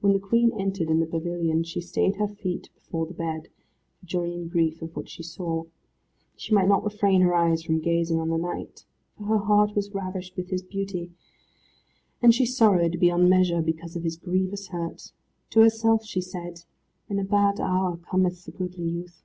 When the Queen entered in the pavilion she stayed her feet before the bed, for joy and grief of what she saw. She might not refrain her eyes from gazing on the knight, for her heart was ravished with his beauty, and she sorrowed beyond measure, because of his grievous hurt. To herself she said, "In a bad hour cometh the goodly youth."